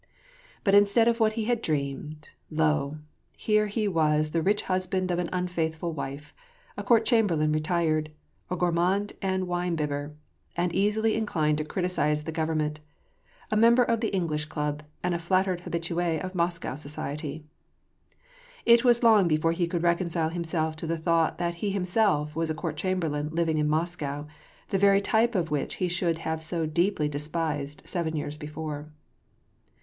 But instead of what he had dreamed, lo ! here he was the Tich husband of an unfaithful wife; a court chamberlain retired; a gourmand and winebibber, and easily inclined to criticise the government ; a member of the English club ; and a flattered hahitue of Moscow society ! It was long before he could reconcile himself to the thought that he himself was a court chamberlain living in Moscow, the very type of what he should have so deeply despised seven years before.